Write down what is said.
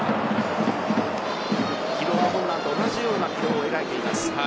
昨日と同じような軌道を描いています。